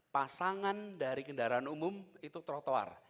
pasangan dari kendaraan umum itu trotoar